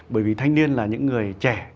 bởi vì thanh niên là những người trẻ